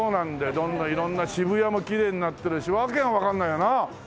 どんどん色んな渋谷もきれいになってるしわけがわかんないよな。